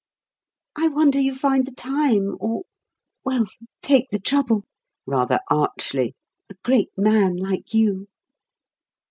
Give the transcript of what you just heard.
I wonder you find the time or well, take the trouble," rather archly; "a great man like you."